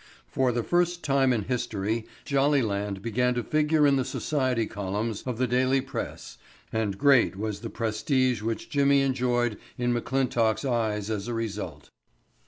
For the first time in its history Jollyland began to figure in the society columns of the daily press and great was the prestige which Jimmy enjoyed in McClintock's eyes as a result.